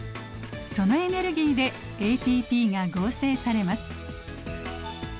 そのエネルギーでＡＴＰが合成されます。